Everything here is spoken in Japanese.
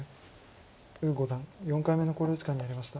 呉五段４回目の考慮時間に入りました。